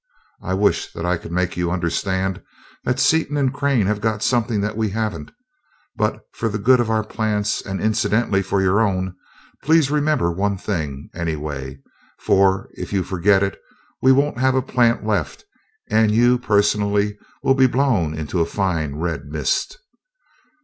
I wish that I could make you understand that Seaton and Crane have got something that we haven't but for the good of our plants, and incidentally for your own, please remember one thing, anyway; for if you forget it, we won't have a plant left and you personally will be blown into a fine red mist.